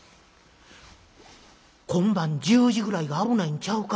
「『今晩１０時ぐらいが危ないんちゃうか』